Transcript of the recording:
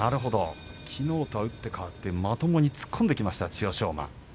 きのうとは打って変わってまともに突っ込んでいきました、千代翔馬。